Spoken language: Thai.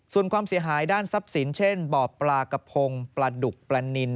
ส่วนความเสียหายด้านทรัพย์สินเช่นบ่อปลากระพงปลาดุกปลานิน